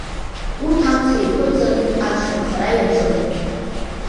Урҭ, амца еиқәырҵан, аҽырԥхара иаҿын.